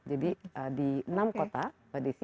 jadi di enam kota mbak desi